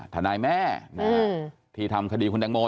ทนายแม่ที่ทำคดีคุณแตงโม